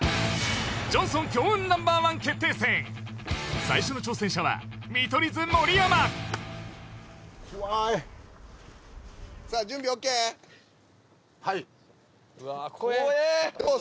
ジョンソン強運Ｎｏ．１決定戦最初の挑戦者は見取り図盛山はい・うわ怖えーどう？